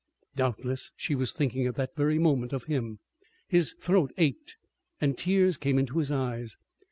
Doubtless she was thinking at that very moment of him. His throat ached and tears came into his eyes.